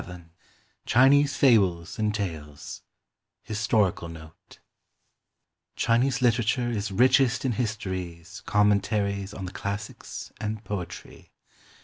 VII CHINESE FABLES AND TALES HISTORICAL NOTE Chinese literature is richest in histories, commentaries on the classics, and poetry.